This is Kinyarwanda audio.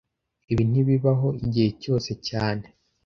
Ibi ntibibaho igihe cyose cyane